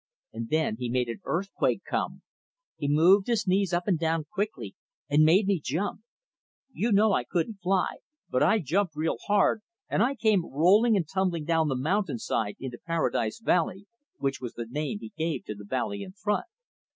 And then he made an earthquake come. He moved his knees up and down quickly and made me jump. You know I couldn't fly, but I jumped real hard, and I came rolling and tumbling down the mountain side into Paradise Valley, which was the name he gave to the valley in front.